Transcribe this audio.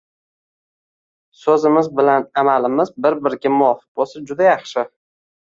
So‘zimiz bilan amalimiz bir-biriga muvofiq bo‘lsa, juda yaxshi!